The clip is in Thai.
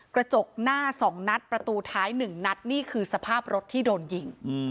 กระจกหน้า๒นัดประตูท้าย๑นัดนี่คือสภาพรถที่โดนยิง